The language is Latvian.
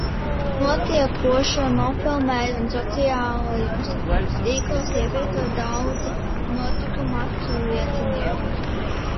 Notiekošo nofilmēja un sociālajos tīklos ievietoja daudzi notikuma aculiecinieki.